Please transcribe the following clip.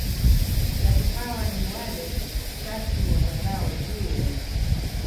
Chatu hawa ni wale chatu wapandao juu ya miti